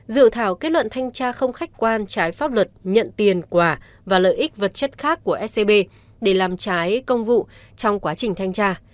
dự thảo kết luận thanh tra không khách quan trái pháp luật nhận tiền quả và lợi ích vật chất khác của scb để làm trái công vụ trong quá trình thanh tra